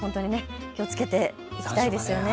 気をつけていきたいですよね。